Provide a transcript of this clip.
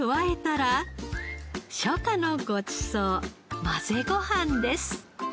初夏のごちそう混ぜご飯です。